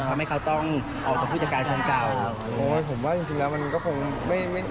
ทำให้เขาต้องออกจากผู้จัดการคนเก่าโอ้ยผมว่าจริงจริงแล้วมันก็คงไม่ไม่